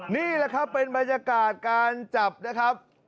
นี่แหละครับเป็นบรรยากาศการจับนะครับ